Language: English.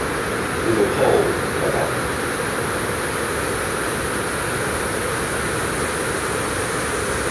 With a pole, madam.